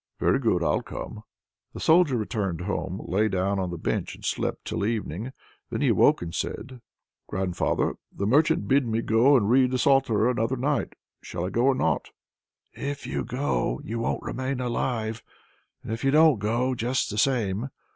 "Very good, I'll come." The Soldier returned home, lay down on the bench, and slept till evening. Then he awoke and said "Grandfather, the merchant bid me go and read the psalter another night. Should I go or not?" "If you go, you won't remain alive, and if you don't go, just the same!